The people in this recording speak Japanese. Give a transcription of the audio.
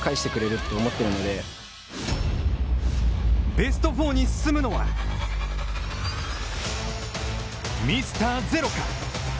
ベスト４に進むのはミスターゼロか！